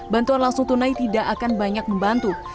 bantuan langsung tunai tidak akan banyak membantu